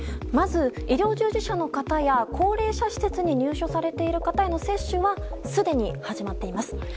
まず医療従事者の方や高齢者施設に入所している方の接種はすでに始まっています。